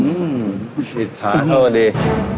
อืมติดช้าโทษดี